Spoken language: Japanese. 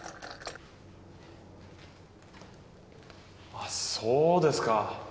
あっそうですか。